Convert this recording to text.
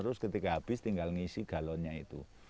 terus ketika habis tinggal ngisi galonnya itu